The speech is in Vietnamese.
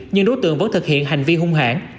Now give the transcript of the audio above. nhưng đối tượng vẫn thực hiện hành vi hung hãn